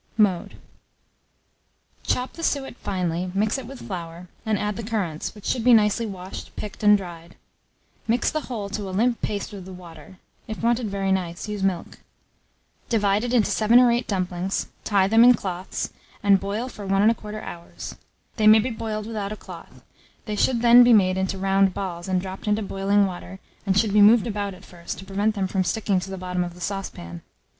Mode. Chop the suet finely, mix it with the flour, and add the currants, which should be nicely washed, picked, and dried; mix the whole to a limp paste with the water (if wanted very nice, use milk); divide it into 7 or 8 dumplings; tie them in cloths, and boil for 1 1/4 hour. They may be boiled without a cloth: they should then be made into round balls, and dropped into boiling water, and should be moved about at first, to prevent them from sticking to the bottom of the saucepan.